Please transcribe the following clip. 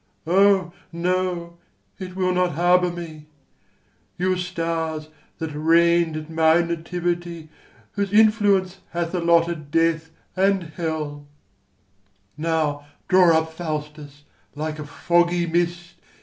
O, no, it will not harbour me! You stars that reign'd at my nativity, Whose influence hath allotted death and hell, Now draw up Faustus, like a foggy mist.